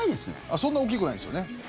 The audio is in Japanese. そんな大きくないですよね。